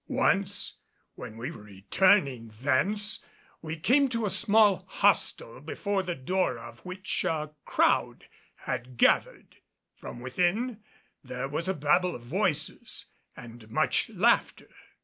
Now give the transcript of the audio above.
Once when we were returning thence, we came to a small hostel before the door of which a crowd had gathered. From within there was a babel of voices and much laughter.